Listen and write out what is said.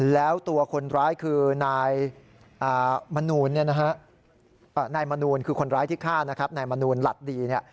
แล้วตัวคนร้ายคือนายมนูลคือคนร้ายที่ฆ่านายมนูลหลัดดี